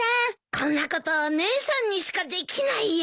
こんなこと姉さんにしかできないよ。